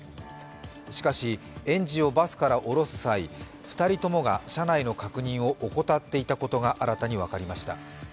しかし、園児をバスから降ろす際、２人ともが車内の確認を怠っていたことが新たに分かりました。